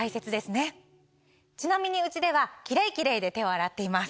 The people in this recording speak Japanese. ちなみにうちではキレイキレイで手を洗っています。